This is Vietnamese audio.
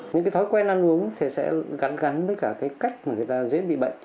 những thói quen ăn uống sẽ gắn gắn với cách người ta dễ bị bệnh